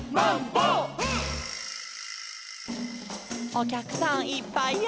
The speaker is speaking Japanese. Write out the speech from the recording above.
「おきゃくさんいっぱいや」